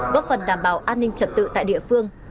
góp phần đảm bảo an ninh trật tự tại địa phương